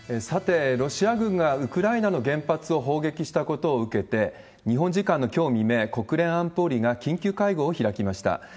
さて、ロシア軍がウクライナの原発を砲撃したことを受けて、日本時間のきょう未明、国連安保理が緊急会合を開きました。